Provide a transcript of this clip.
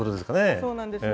そうなんですね。